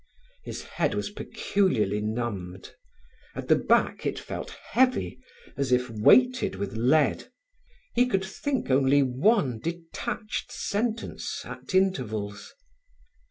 His head was peculiarly numbed; at the back it felt heavy, as if weighted with lead. He could think only one detached sentence at intervals.